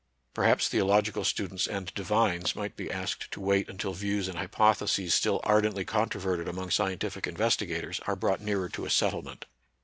Perhaps theological students and divines might be asked to wait until views and hypotheses stUl ardently con troverted among scientific investigators are brought nearer to a settlement.